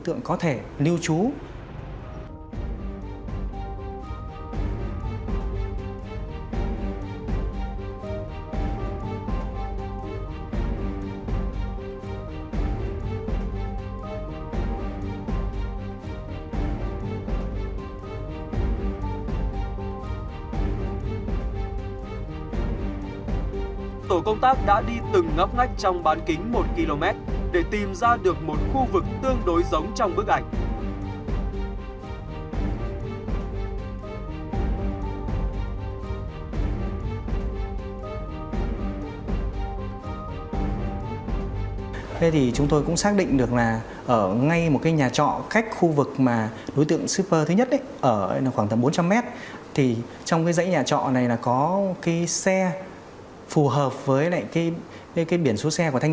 tổ công tác đã đi từng ngấp ngách trong bán kính một km để tìm ra được một khu vực tương đối giống trong bức ảnh